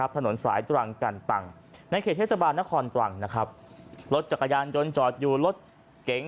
ถนนสายตรังกันตังในเขตเทศบาลนครตรังนะครับรถจักรยานยนต์จอดอยู่รถเก๋ง